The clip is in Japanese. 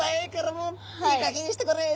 もういいかげんにしてくれって。